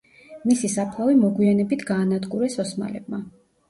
მისი საფლავი მოგვიანებით გაანადგურეს ოსმალებმა.